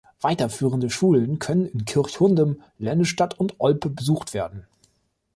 Weiterführende Schulen können in Kirchhundem, Lennestadt und Olpe besucht werden.